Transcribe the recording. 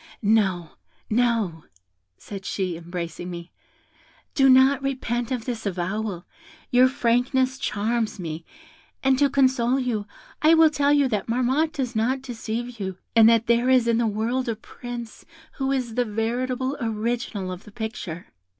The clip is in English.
'No, no,' said she, embracing me, 'do not repent of this avowal, your frankness charms me; and to console you, I will tell you that Marmotte does not deceive you, and that there is in the world a Prince who is the veritable original of the picture.'